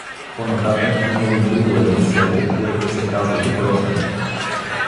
По-нататък имало друго едно село, което се казвало Бросен.